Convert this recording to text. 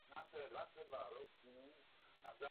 Věnoval se i osvětové práci.